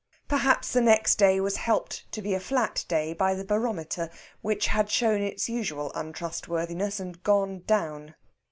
Perhaps the next day was helped to be a flat day by the barometer, which had shown its usual untrustworthiness and gone down.